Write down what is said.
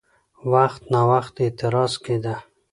وخت ناوخت اعتراض کېده؛